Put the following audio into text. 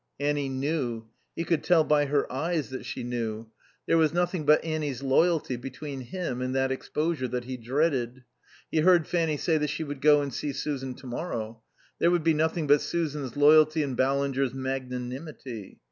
Annie knew. He could tell by her eyes that she knew. There was nothing but Annie's loyalty between him and that exposure that he dreaded. He heard Fanny say that she would go and see Susan to morrow. There would be nothing but Susan's loyalty and Ballinger's magnanimity.